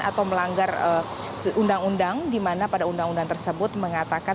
atau melanggar undang undang di mana pada undang undang tersebut mengatakan